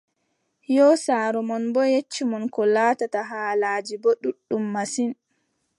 Yoo saaro mon boo yecci mon koo laatata, haalaaji boo ɗuuɗɗum masin.